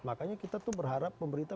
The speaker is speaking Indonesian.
makanya kita tuh berharap pemerintah